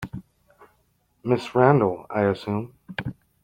Ms Randall, I assume?